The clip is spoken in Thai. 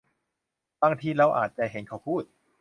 บางที เราอาจจะเห็นเขาพูด